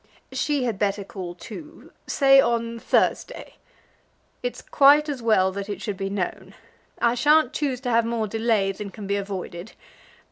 "She had better call too, say on Thursday. It's quite as well that it should be known. I sha'n't choose to have more delay than can be avoided.